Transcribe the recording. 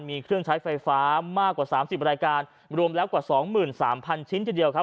มีเครื่องใช้ไฟฟ้ามากกว่าสามสิบบริการรวมแล้วกว่าสองหมื่นสามพันชิ้นทีเดียวครับ